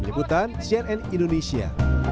penyiputan sian and indonesia